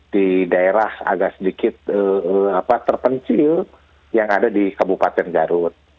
di daerah agak sedikit terpencil yang ada di kabupaten garut